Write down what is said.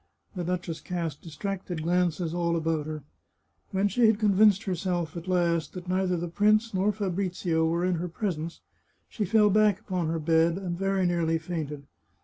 The duchess cast distracted glances all about her. When she had convinced herself, at last, that neither the prince nor Fabrizio were in her presence, she fell back upon her bed, and very nearly fainted.